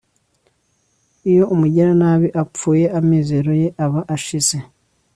iyo umugiranabi apfuye, amizero ye aba ashize